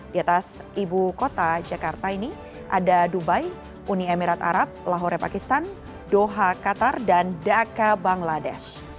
di atas ibu kota jakarta ini ada dubai uni emirat arab lahore pakistan doha qatar dan dhaka bangladesh